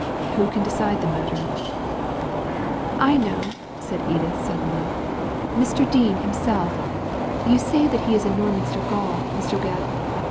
Who can decide the matter ?"« I know !" said Edith, suddenly— •' Mr. Dean him self You say that he is in Norminster gaol, Mn Gebb.